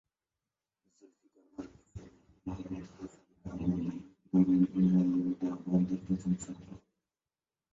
জুলফিকার আলীর ছেলে মাহমুদ হাসান দেওবন্দি দারুল উলুম দেওবন্দের প্রথম ছাত্র।